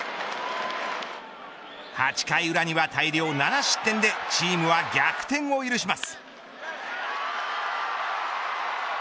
８回裏には大量７失点でチームは逆転を許します。